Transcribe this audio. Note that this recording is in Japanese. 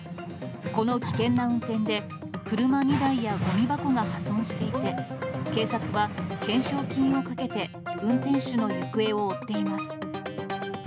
この危険な運転で、車２台やごみ箱が破損していて、警察は懸賞金をかけて運転手の行方を追っています。